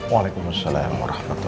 waalaikumsalam warahmatullahi wabarakatuh